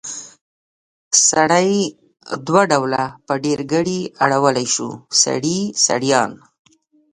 سړی دوه ډوله په ډېرګړي اړولی شو؛ سړي، سړيان.